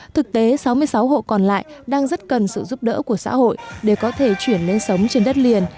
thực tế sáu mươi sáu hộ còn lại đang rất cần sự giúp đỡ của xã hội để có thể chuyển lên sống trên đất liền